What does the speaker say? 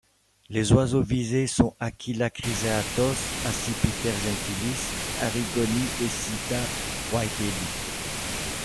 Les oiseaux visés sont Aquila chrysaetos, Accipiter gentilis arrigonii et Sitta whiteheadi.